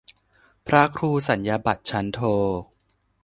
พระครูสัญญาบัตรชั้นโท